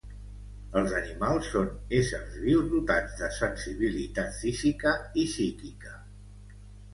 Els animals són éssers vius dotats de sensibilitat física i psíquica.